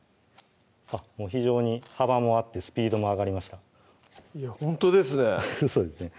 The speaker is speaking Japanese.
非常に幅も合ってスピードも上がりましたほんとですね